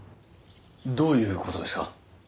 どういう事ですか？